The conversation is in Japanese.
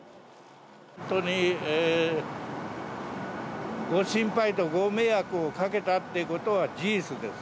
本当に、ご心配とご迷惑をかけたってことは事実です。